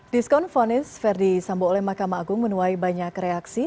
diskon fonis verdi sambo oleh mahkamah agung menuai banyak reaksi